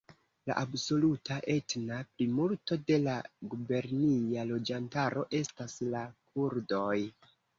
La absoluta etna plimulto de la gubernia loĝantaro estas la kurdoj.